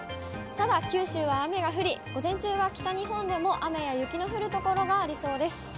ただ九州は雨が降り、午前中は、北日本でも雨や雪の降る所がありそうです。